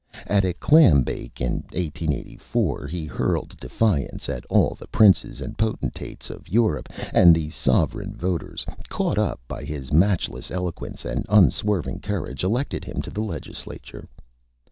At a Clam Bake in 1884 he hurled Defiance at all the Princes and Potentates of Europe, and the Sovereign Voters, caught up by his Matchless Eloquence and Unswerving Courage, elected him to the Legislature.